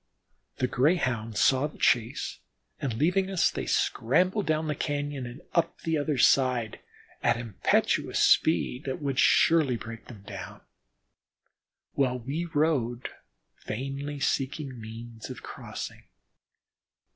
The Greyhounds saw the chase, and leaving us they scrambled down the cañon and up the other side at impetuous speed that would surely break them down, while we rode, vainly seeking means of crossing.